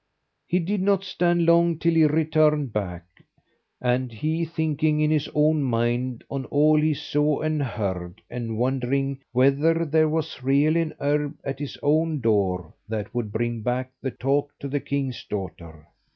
He did not stand long till he returned back, and he thinking in his own mind on all he saw and heard, and wondering whether there was really an herb at his own door that would bring back the talk to the king's daughter.